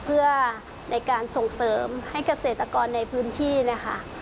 เพื่อในการส่งเสริมให้เกษตรกรในพื้นที่นะคะ